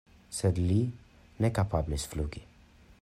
Sed li ne kapablis flugi!